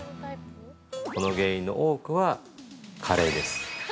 ◆この原因の多くは加齢です。